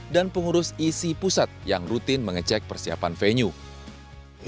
dan pengurus isi pusat yang rutin mengecek persiapan venue